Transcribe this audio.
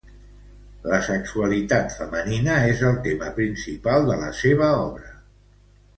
La sexualitat femenina és el tema principal de la seua obra.